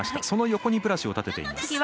その横にブラシを立てています。